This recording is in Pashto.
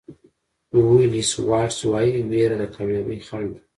ولېس واټلز وایي وېره د کامیابۍ خنډ ده.